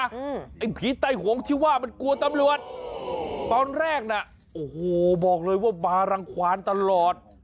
ไอ้ผีไต้หงที่ว่ามันกลัวตำรวจตอนแรกน่ะโอ้โหบอกเลยว่าบารังควานตลอด